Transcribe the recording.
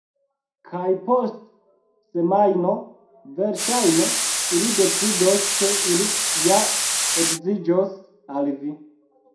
Kaj post semajno, verŝajne, ili decidos ke ili ja edziĝos al vi.